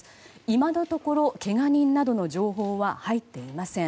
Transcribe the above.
今のところ、けが人などの情報は入っていません。